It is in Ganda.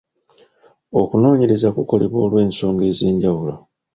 Okunoonyereza kukolebwa olw'ensonga ez'enjawulo.